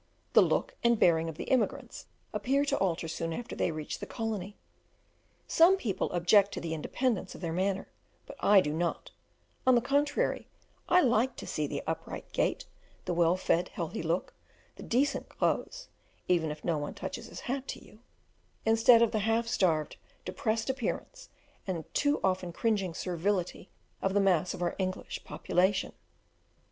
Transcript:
The look and bearing of the immigrants appear to alter soon after they reach the colony. Some people object to the independence of their manner, but I do not; on the contrary, I like to see the upright gait, the well fed, healthy look, the decent clothes (even if no one touches his hat to you), instead of the half starved, depressed appearance, and too often cringing servility of the mass of our English population.